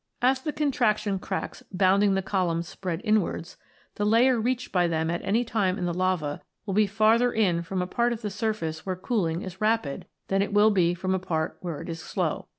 As the contraction cracks bounding the columns spread inwards, the layer reached by them at any time in the lava will be farther in from a part of the surface where cooling is rapid than it will be from a part where it is slow.